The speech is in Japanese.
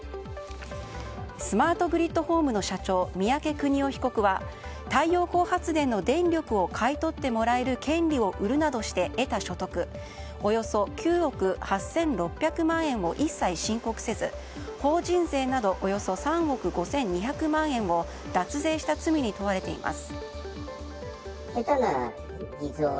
スマートグリッドホームの社長三宅邦夫被告は太陽光発電の電力を買い取ってもらえる権利を売るなどして得た所得およそ９憶８６００万円を一切申告せず、法人税などおよそ３億５２００万円を脱税した罪に問われています。